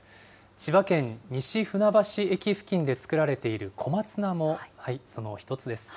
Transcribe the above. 千葉県西船橋駅付近で作られている小松菜もその１つです。